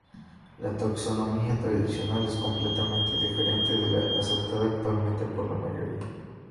La taxonomía tradicional es completamente diferente de la aceptada actualmente por la mayoría.